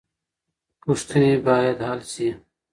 پوښتنې بايد حل سي.